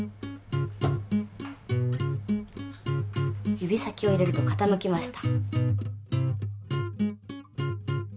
指先を入れるとかたむきました。